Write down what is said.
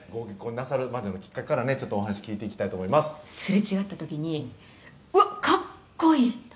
「すれ違った時に“うわっ格好いい！”と」